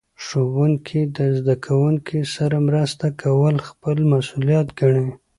ښوونکي د زده کوونکو سره مرسته کول خپل مسؤلیت ګڼي.